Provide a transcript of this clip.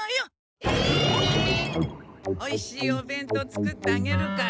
おいしいお弁当作ってあげるから。